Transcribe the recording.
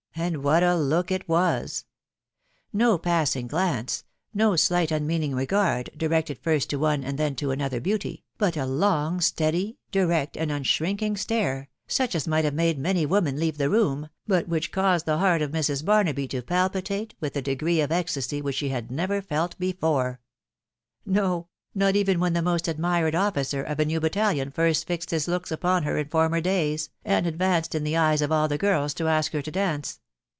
. and what a look it was !.... No passing glance, no slight unmeaning regard, directed first to one and then to another beauty, but a long, steady, direct, and unshrinking stare, such as might have made many women leave the room, but which caused the heart of Mrs. Barnaby to palpitate with a degree of ecstasy which she had never felt before — no, not even when the most admired officer of a new battalion first fixed his looks upon her in former days, and advanced in the eyes of all the girls to ask her to dance